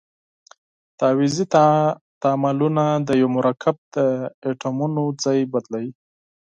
تعویضي تعاملونه د یوه مرکب د اتومونو ځای بدلوي.